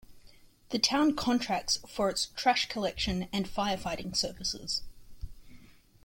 The town contracts for its trash collection and fire-fighting services.